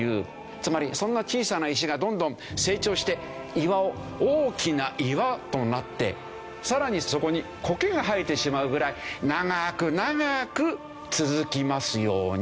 つまりそんな小さな石がどんどん成長して「いわお」大きな岩となってさらにそこにコケが生えてしまうぐらい長ーく長ーく続きますように。